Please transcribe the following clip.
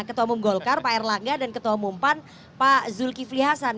ketua mump golkar pak erlangga dan ketua mumpan pak zulkifli hasan